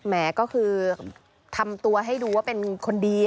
แหมก็คือทำตัวให้ดูว่าเป็นคนดี